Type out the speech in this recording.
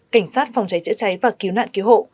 cảnh sát phòng cháy chữa cháy và cứu nạn cứu hộ